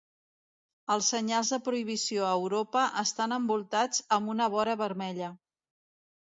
Els senyals de prohibició a Europa estan envoltats amb una vora vermella.